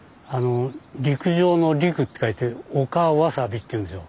陸上の陸って書いて「陸わさび」っていうんですよ。